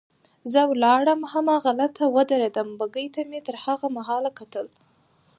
زه ولاړم هماغلته ودرېدم، بګۍ ته مې تر هغه مهاله کتل.